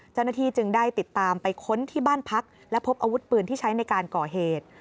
เจ้าหน้าที่จึงได้ติดตามไปค้นที่บ้านพักและพบอาวุธปืนที่ใช้ในการก่อเหตุ